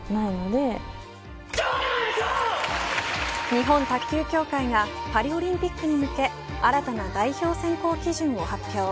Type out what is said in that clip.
日本卓球協会がパリオリンピックに向け新たな代表選考基準を発表。